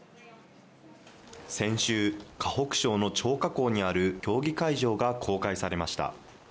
先週、河北省の張家口にある競技会場が公開されました。